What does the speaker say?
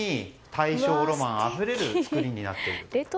大正ロマンあふれる造りになっていると。